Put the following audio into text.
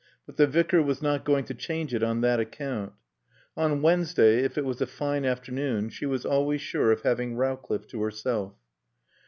But the Vicar was not going to change it on that account. On Wednesday, if it was a fine afternoon, she was always sure of having Rowcliffe to herself.